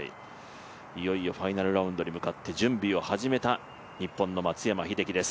いよいよファイナルラウンドに向かって準備を始めた日本の松山英樹です。